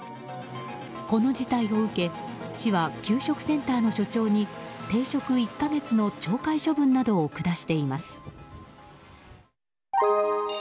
この事態を受け市は給食センターの所長に停職１か月の懲戒処分などを下しています。